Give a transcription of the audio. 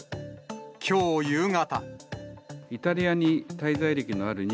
きょう夕方。